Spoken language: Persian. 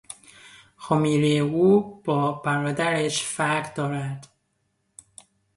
خمیرهی او با برادرش فرق دارد.